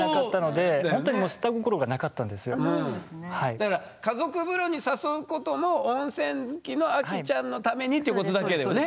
だから家族風呂に誘うことも温泉好きのアキちゃんのためにっていうことだけだよね。